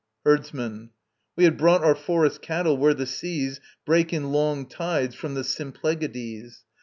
HERDSMAN. We had brought our forest cattle where the seas Break in long tides from the Symplegades.